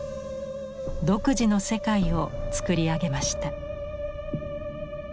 独自の世界を作り上げました。